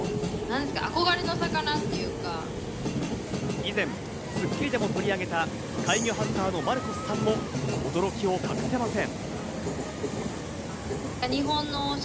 以前『スッキリ』でも取り上げた怪魚ハンターのマルコスさんも驚きを隠せません。